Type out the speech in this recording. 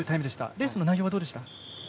レースの内容は、どうでした？